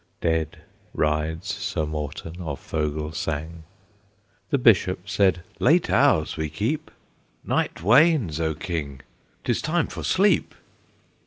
Dead rides Sir Morten of Fogelsang. The Bishop said, "Late hours we keep! Night wanes, O King! 'tis time for sleep!"